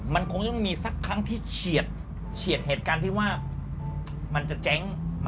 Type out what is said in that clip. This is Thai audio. มันคงจะไม่มีสักครั้งที่เฉียดเหตุการณ์ที่ว่ามันจะเจ๊ง